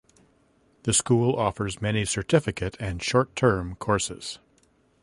The school offers many certificate and short term courses.